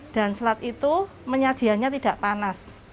dan selat itu menyajiannya tidak panas